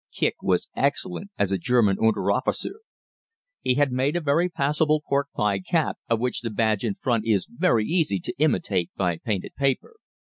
Kicq was excellent as a German Unteroffizier. He had made a very passable pork pie cap, of which the badge in front is very easy to imitate by painted paper.